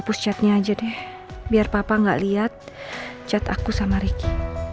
push chatnya aja deh biar papa gak lihat chat aku sama ricky